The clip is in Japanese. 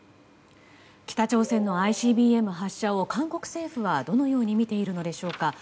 北朝鮮のＩＣＢＭ発射を韓国政府はどのように見ているのでしょうか。